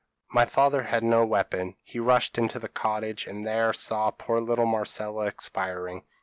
My father had no weapon; he rushed into the cottage, and there saw poor little Marcella expiring.